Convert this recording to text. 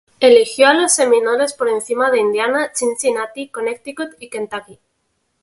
Eligió a los Seminoles por encima de Indiana, Cincinnati, Connecticut y Kentucky.